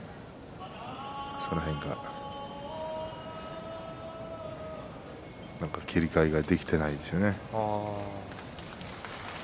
その辺が何か切り替えができてないですね。